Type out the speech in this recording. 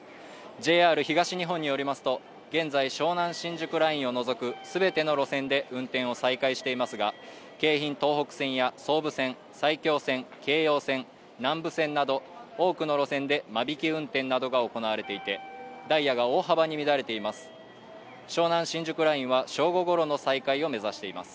ＪＲ東日本によりますと現在湘南新宿ラインを除くすべての路線で運転を再開していますが京浜東北線や総武線、埼京線、京葉線南武線など多くの路線で間引き運転などが行われていてダイヤが大幅に乱れています